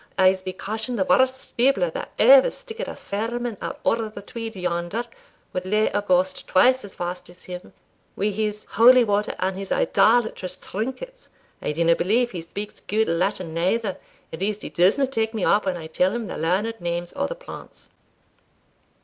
I'se be caution the warst stibbler that ever stickit a sermon out ower the Tweed yonder, wad lay a ghaist twice as fast as him, wi' his holy water and his idolatrous trinkets. I dinna believe he speaks gude Latin neither; at least he disna take me up when I tell him the learned names o' the plants."